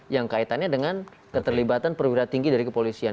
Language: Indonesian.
yang kaitannya dengan keterlibatan perwira tinggi dari kepolisian